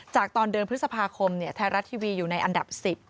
ตอนเดือนพฤษภาคมไทยรัฐทีวีอยู่ในอันดับ๑๐